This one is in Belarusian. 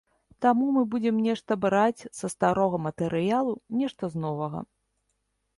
Таму мы будзем нешта браць са старога матэрыялу, нешта з новага.